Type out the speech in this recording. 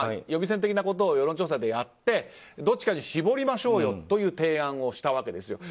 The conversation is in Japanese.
予備選的なことを世論調査でやってどっちかに絞りましょうよという提案をしたわけです。